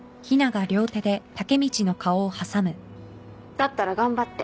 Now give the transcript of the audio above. だったら頑張って。